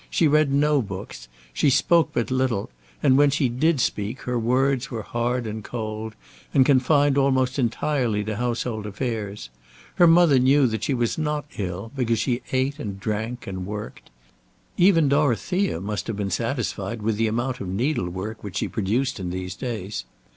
She read no books. She spoke but little, and when she did speak her words were hard and cold, and confined almost entirely to household affairs. Her mother knew that she was not ill, because she ate and drank and worked. Even Dorothea must have been satisfied with the amount of needlework which she produced in these days.